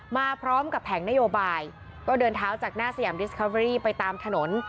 มาพร้อมกับแผงนโยบายก็เดินเท้าจากหน้าสยามดิสคาเบอรี่ไปตามถนน